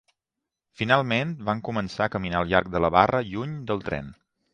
Finalment van començar a caminar al llarg de la barra lluny del tren.